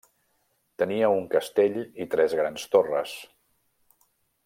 Tenia un castell i tres grans torres: